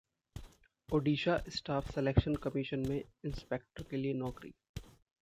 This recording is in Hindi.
ओडिशा स्टाफ सेलेक्शन कमिशन में इंस्पेक्टर के लिए नौकरी